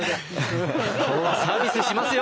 今日はサービスしますよ！